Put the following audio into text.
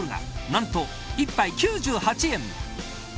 何と１杯、９８円